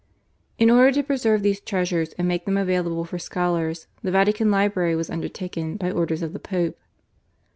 In order to preserve these treasures and make them available for scholars the Vatican Library was undertaken by orders of the Pope.